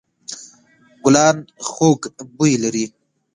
ګلان خوږ بوی لري.